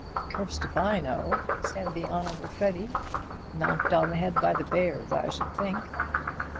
"Cursed if I know," said the Honourable Freddy; "knocked on the head by the bears, I should think."